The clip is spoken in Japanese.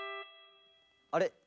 あれ？